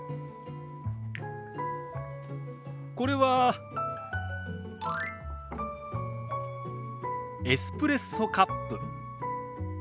これはエスプレッソカップ。